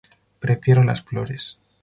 Prefiero las flores.